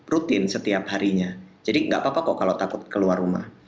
rutin setiap harinya jadi nggak apa apa kok kalau takut keluar rumah